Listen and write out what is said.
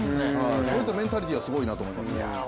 そのメンタリティーはすごいと思いますね。